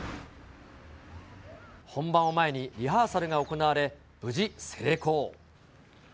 本番を前にリハーサルが行われ、無事成功。